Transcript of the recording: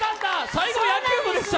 最後、野球部でした。